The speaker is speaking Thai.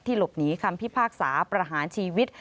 หลบหนีคำพิพากษาประหารชีวิต